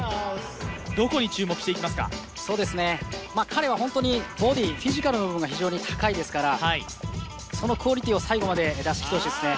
彼は本当にボディーフィジカルの部分が非常に高いですからそのクオリティーを最後まで出し切ってほしいですね。